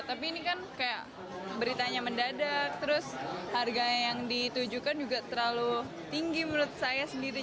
tapi ini kan kayak beritanya mendadak terus harga yang ditujukan juga terlalu tinggi menurut saya sendiri